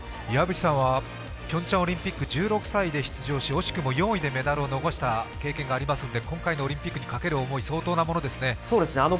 岩渕さんはピョンチャンオリンピック１６歳で出場し惜しくも４位でメダルを逃した経験がありますので今回のオリンピックにかける思い相当なものですね。